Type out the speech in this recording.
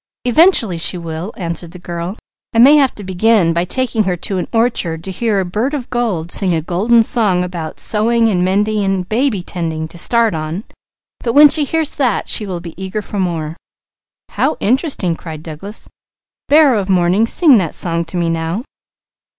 "Eventually she will," answered the girl. "I may have to begin by taking her to an orchard to hear a bird of gold sing a golden song about 'sewing, and mending, and baby tending,' to start on; but when she hears that, she will be eager for more." "How interesting!" cried Douglas. "'Bearer of Morning,' sing that song to me now."